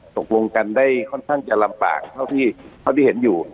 ตกลงกันได้ค่อนข้างจะลำบากเท่าที่เห็นอยู่